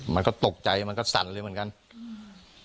มันก็ตกใจมันก็สั่นเลยเหมือนกันอืม